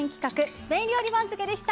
スペイン料理番付でした。